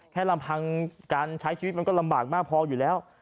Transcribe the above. ลำพังการใช้ชีวิตมันก็ลำบากมากพออยู่แล้ว